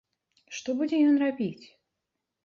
Што будзе ён рабіць?